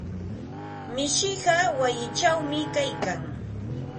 Mishiqa wayichawmi kaykan.